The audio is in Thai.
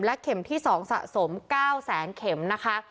เข็มที่๒สะสม๙แสนเข็มนะคะ